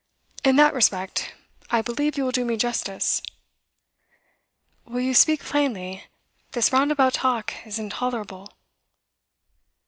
In that respect, I believe you will do me justice.' 'Will you speak plainly? This roundabout talk is intolerable.